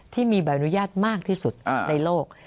ที่มีใบอนุญาตมากที่สุดในโลก